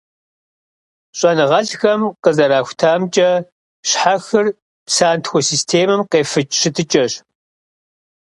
ЩӀэныгъэлӀхэм къызэрахутамкӀэ, щхьэхыр псантхуэ системэм къефыкӀ щытыкӀэщ.